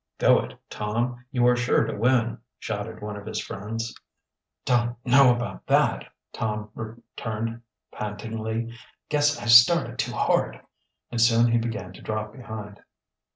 "Go it, Tom, you are sure to win!" shouted one of his friends. "Don't know about that," Tom returned pantingly. "Guess I started too hard!" And soon he began to drop behind.